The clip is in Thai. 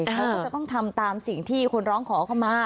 เขาก็จะต้องทำตามสิ่งที่คนร้องขอเข้ามา